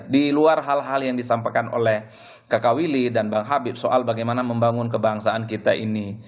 di luar hal hal yang disampaikan oleh kakak willy dan bang habib soal bagaimana membangun kebangsaan kita ini